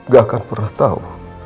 gak akan pernah tau